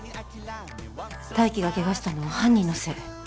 泰生がけがしたのは犯人のせい。